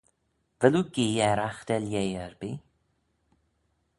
Vel oo gee er aght er-lheh erbee?